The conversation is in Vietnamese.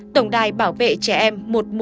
tổng đài bảo vệ trẻ em một trăm một mươi một